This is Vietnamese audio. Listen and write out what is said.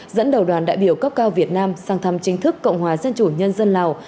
dẫn đầu đoàn đại biểu cấp cao việt nam sang thăm chính thức cộng hòa dân chủ nhân dân lào